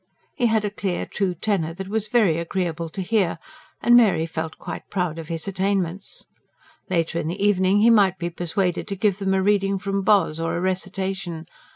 He had a clear, true tenor that was very agreeable to hear; and Mary felt quite proud of his attainments. Later in the evening he might be persuaded to give them a reading from Boz, or a recitation.